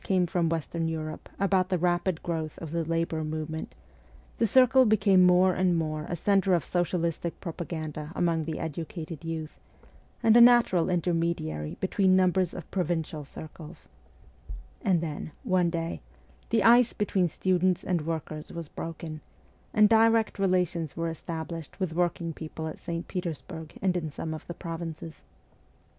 PETERSBURG 95 came from Western Europe about the rapid growth of the labour movement, the circle became more and more a centre of socialistic propaganda among the educated youth, and a natural intermediary between numbers of provincial circles ; and then, one day, the ice between students and workers was broken, and direct relations were established with working people at St. Petersburg and in some of the provinces.